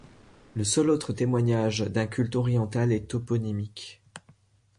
Le seul autre témoignage d'un culte oriental est toponymique.